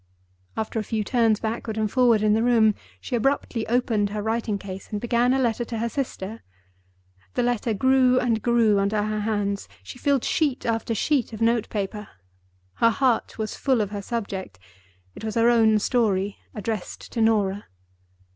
After a few turns backward and forward in the room, she abruptly opened her writing case and began a letter to her sister. The letter grew and grew under her hands; she filled sheet after sheet of note paper. Her heart was full of her subject: it was her own story addressed to Norah.